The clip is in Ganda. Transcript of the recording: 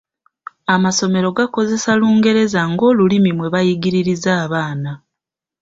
Amasomero gakozesa Lungereza ng’olulimi mwe bayigiririza abaana.